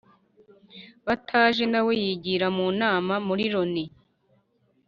bataje nawe yigira mu nama muri loni.